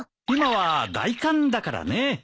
今は大寒だからね。